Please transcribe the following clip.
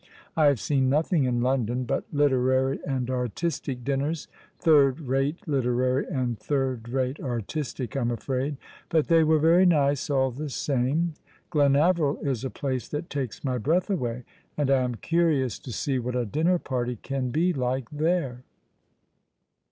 I have seen nothing in London but literary and artistic dinners, third rate literary and third rate artistic, I'm afraid — but they were very nice, all the same. Glenaveril is a place that takes my breath away ; and I am curious to see what a dinner party can be like there."